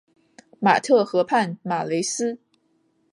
马特河畔马雷斯。